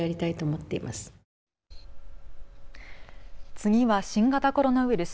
次は新型コロナウイルス。